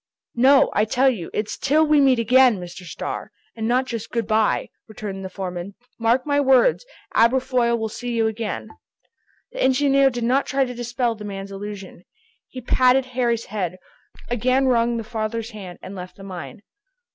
"No, I tell you, it's till we meet again, Mr. Starr, and not Just 'good by,'" returned the foreman. "Mark my words, Aberfoyle will see you again!" The engineer did not try to dispel the man's illusion. He patted Harry's head, again wrung the father's hand, and left the mine.